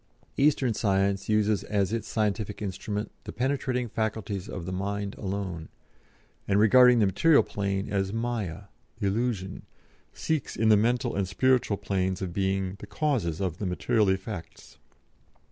Eastern Science uses as its scientific instrument the penetrating faculties of the mind alone, and regarding the material plane as Maya illusion seeks in the mental and spiritual planes of being the causes of the material effects.